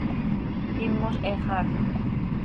Imoz he xaaj.